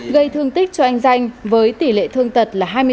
gây thương tích cho anh danh với tỷ lệ thương tật là hai mươi năm